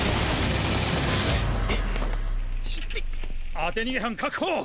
当て逃げ犯確保！